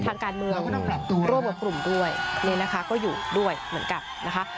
ทางการเมืองร่วมกับกลุ่มด้วยนี่นะคะก็อยู่ด้วยเหมือนกันนะคะ